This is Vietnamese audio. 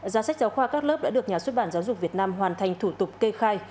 giá sách giáo khoa các lớp đã được nhà xuất bản giáo dục việt nam hoàn thành thủ tục kê khai